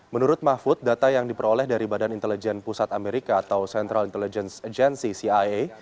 menurut mahfud data yang diperoleh dari badan intelijen pusat amerika atau central intelligence agency cia